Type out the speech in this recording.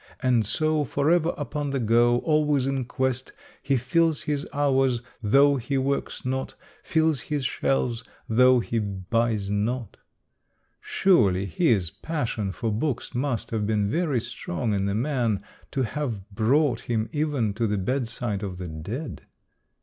And so, forever upon the go, always in quest, he fills his hours, though he works not, fills his shelves, though he buys not. Surely this passion for books must have been very strong in the man, to have brought him even to the bedside of the dead.